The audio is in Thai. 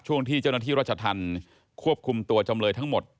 ช่วงที่เจ้าหน้าที่รัชธรรมควบคุมตัวจำเลยทั้งหมด